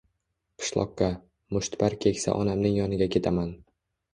— Qishloqqa, mushtipar keksa onamning yoniga ketaman.